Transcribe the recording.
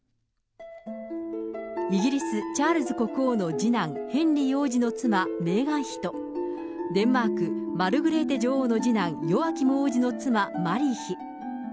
イギリス、チャールズ国王の次男、ヘンリー王子の妻、メーガン妃と、デンマーク、マルグレーテ女王の次男、ヨアキム王子の妻、マリー妃。